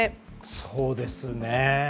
そうですね。